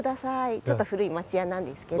ちょっと古い町家なんですけど。